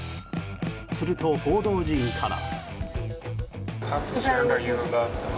すると、報道陣から。